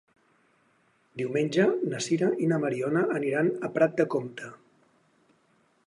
Diumenge na Sira i na Mariona aniran a Prat de Comte.